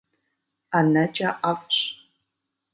ӀэнэкӀэ ӀэфӀщ.